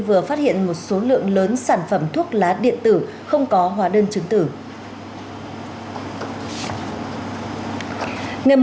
vừa phát hiện một số lượng lớn sản phẩm thuốc lá điện tử không có hóa đơn chứng tử